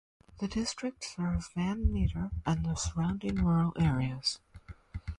The district serves Van Meter and the surrounding rural areas.